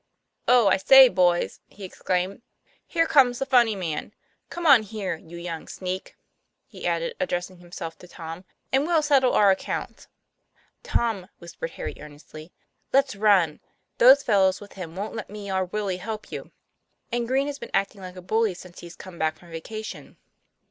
"Oh, I say, boys," he exclaimed, " here comes the funny man. Come on here, you young sneak," he added, addressing himself to Tom, "and we'll settle our accounts." "Tom," whispered Harry earnestly, "let's run; those fellows with him wont let me or Willie help you; and Green has been acting like a bully since he's come back from vacation."